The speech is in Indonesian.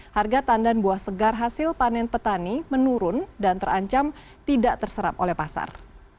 harga tandan buah segar hasil panen petani menurun dan terancam tidak terserap oleh pasar